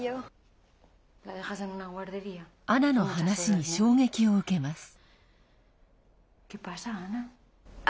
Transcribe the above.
アナの話に衝撃を受けます。